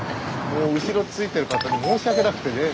もう後ろ付いてる方に申し訳なくてね。